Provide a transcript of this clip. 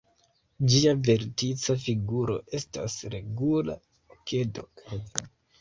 Ĝia vertica figuro estas regula okedro.